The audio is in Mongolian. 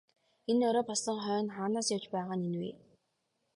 Энэ орой болсон хойно хаанаас явж байгаа нь энэ вэ?